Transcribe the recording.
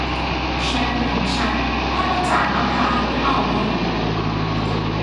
แชมพูของฉันทำมาจากมะพร้าวและอัลมอนด์